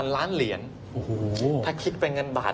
๙๔๐๐๐ล้านเหรียญถ้าคิดเป็นเงินบาท